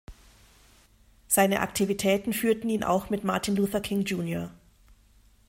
Seine Aktivitäten führten ihn auch mit Martin Luther King Jr.